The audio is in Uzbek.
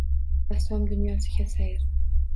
Rassom dunyosiga sayr